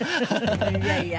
いやいや。